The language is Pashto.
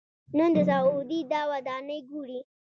نه د سعودي دا ودانۍ ګوري.